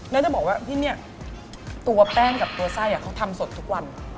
แล้วจะบอกว่าที่นี่ตัวแป้งกับตัวไส้เขาทำสดทุกวัน